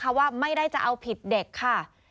เพราะว่าไม่ได้จะเอาผิดเด็กค่ะ